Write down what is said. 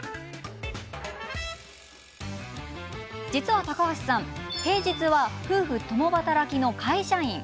実は高橋さん、平日は夫婦共働きの会社員。